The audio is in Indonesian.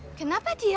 mungkin dia acting ya